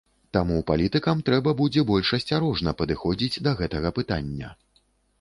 Таму палітыкам трэба будзе больш асцярожна падыходзіць да гэтага пытання.